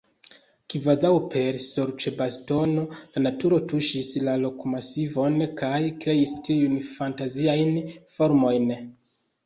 Kvazaŭ per sorĉbastono la naturo tuŝis la rokmasivon kaj kreis tiujn fantaziajn formojn.